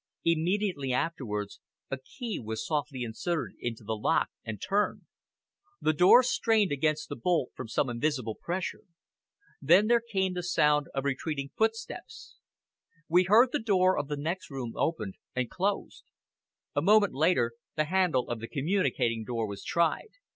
Immediately afterwards a key was softly inserted in the lock and turned. The door strained against the bolt from some invisible pressure. Then there came the sound of retreating footsteps. We heard the door of the next room opened and closed. A moment later the handle of the communicating door was tried.